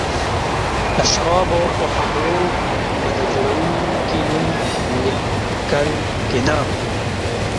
د شرابو پر خُمر و به د جوړوونکي نوم لیکل کېده